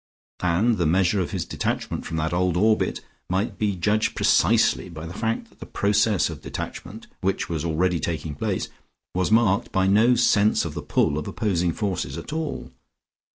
And the measure of his detachment from that old orbit might be judged precisely by the fact that the process of detachment which was already taking place was marked by no sense of the pull of opposing forces at all.